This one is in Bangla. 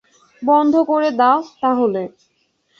বন্ধ করে দাও, তাহলে।